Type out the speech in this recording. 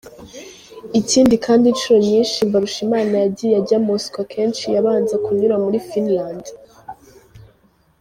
Ikindi kandi inshuro nyishi Mbarushimana yagiye ajya Moscou akenshi yabanza kunyura muri Finland.